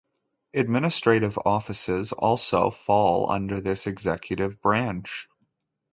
Administrative offices also fall under this executive branch.